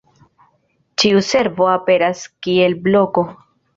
Ĉiu servo aperas kiel bloko.